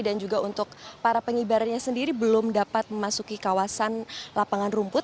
dan juga untuk para pengibarannya sendiri belum dapat memasuki kawasan lapangan rumput